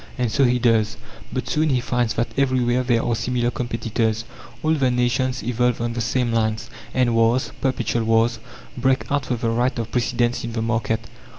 And so he does. But soon he finds that everywhere there are similar competitors. All the nations evolve on the same lines, and wars, perpetual wars, break out for the right of precedence in the market.